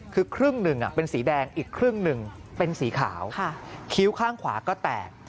คือครึ่งหนึ่งเป็นสีแดงอีกครึ่งหนึ่งเป็นสีขาวคิ้วข้างขวาก็แตก